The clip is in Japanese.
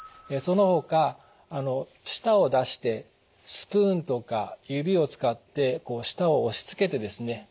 そのほか舌を出してスプーンとか指を使ってこう舌を押しつけてですね